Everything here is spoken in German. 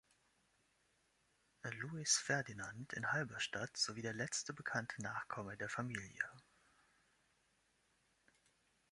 Louis Ferdinand in Halberstadt, sowie der letzte bekannte Nachkomme der Familie.